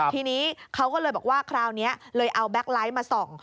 ทีนี้เขาก็เลยบอกว่าคราวนี้เลยเอาแก๊กไลท์มาส่อง